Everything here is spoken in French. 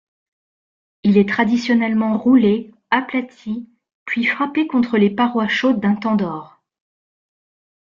Il est traditionnellement roulé, aplati puis frappé contre les parois chaudes d'un tandoor.